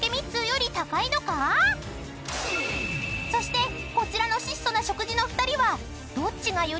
［そしてこちらの質素な食事の２人は］